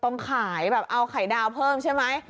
ต้องขายแบบเอาไข่ดาวเพิ่มใช่ไหม